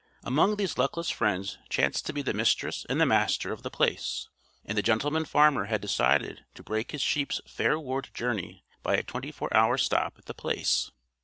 Among these luckless friends chanced to be the Mistress and the Master of The Place. And the Gentleman Farmer had decided to break his sheep's fair ward journey by a twenty four hour stop at The Place.